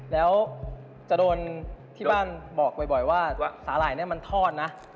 แล้วจะโดนที่บ้านบอกบ่อยว่าสาหร่ายเนี่ยมันทอดนะ